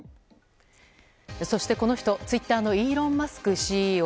そしてこの人、ツイッターのイーロン・マスクＣＥＯ。